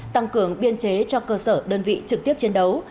tăng cường biên chế cho cơ sở đơn vị trực tiếp chiến đấu